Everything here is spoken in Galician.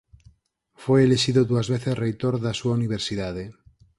Foi elixido dúas veces reitor da súa Universidade.